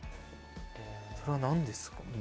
それは何ですか？